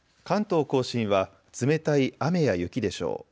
関東甲信は冷たい雨や雪でしょう。